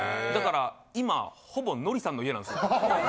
だから今ほぼノリさんの家なんですよ。